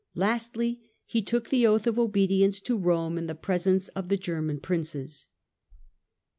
Lastly, he took the oath of obedience to Rome in the presence of the German Princes.